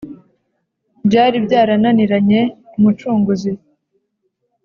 byali byarananiranye umucunguzi